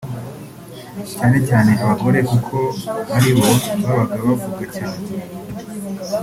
cyane cyane abagore kuko ari bo babaga bavuga cyane